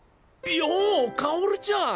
よお薫ちゃん！